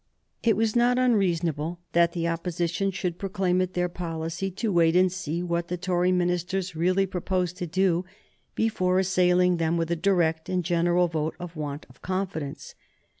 It was not unreasonable that the Opposition should proclaim it their policy to wait and see what the Tory ministers really proposed to do before assailing them with a direct and general vote of want of confidence.